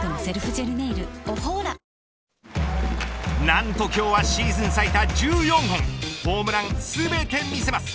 なんと今日はシーズン最多１４本ホームラン全て見せます。